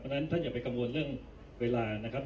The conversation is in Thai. เพราะฉะนั้นท่านอย่าไปกังวลเรื่องเวลานะครับ